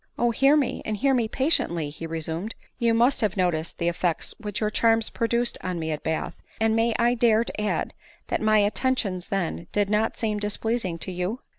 .." O hear me, and hear me patiently !" he resumed. " You must have noticed the effect which your charms produced on me at Bath ; and may I dare to add, that my attentions then did not seem displeasing to you?"